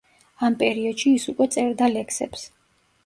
ამ პერიოდში ის უკვე წერდა ლექსებს.